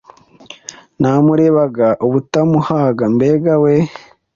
Namurebaga ubutamuhaga. Mbega we